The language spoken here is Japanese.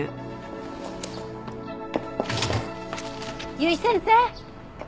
由井先生！